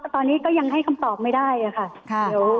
ตอนนี้ก็ยังให้คำตอบไม่ได้ค่ะ